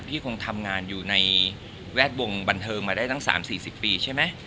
พี่คงทำงานอยู่ในเวทวงบันเทิงมาได้ตั้งสามสี่สิบปีใช่ไหม